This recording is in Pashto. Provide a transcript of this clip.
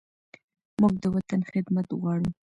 موږ د وطن خدمت غواړو.